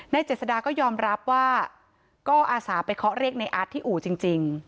เจษดาก็ยอมรับว่าก็อาสาไปเคาะเรียกในอาร์ตที่อู่จริง